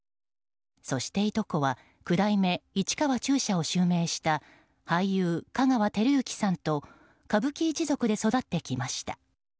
そして、いとこは九代目市川中車を襲名した俳優・香川照之さんと歌舞伎一族で育ってきました。